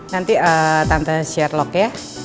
nanti eh tante share log ya